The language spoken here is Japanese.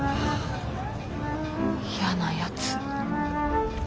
嫌なやつ。